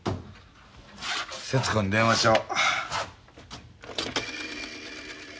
節子に電話しよ。